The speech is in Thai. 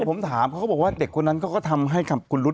ผมถามเขาก็บอกว่าเด็กคนนั้นเขาก็ทำให้คุณรุ๊ด